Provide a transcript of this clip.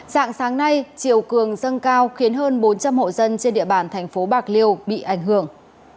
tạng sáng nay triều cường dâng cao khiến hơn bốn trăm linh hộ dân trên địa bàn tp bạc liêu bị ảnh hưởng